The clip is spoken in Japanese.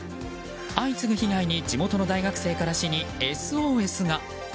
相次ぐ被害に、地元の大学生から市にＳＯＳが。